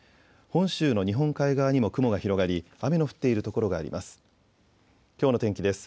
本州の日本海側にも雲が広がり雨の降っている所があります。